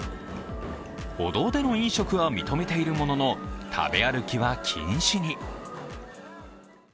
歩道での飲食は認めているものの食べ歩きは禁止に。